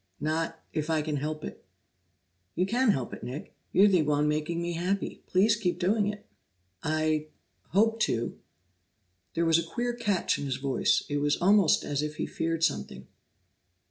Not if I can help it." "You can help it, Nick. You're the one making me happy; please keep doing it." "I hope to." There was a queer catch in his voice. It was almost as if he feared something.